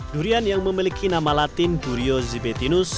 durian yang memiliki nama latin durio zibetinus